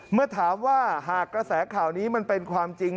เมื่อถามว่าหากกระแสข่าวนี้มันเป็นความจริง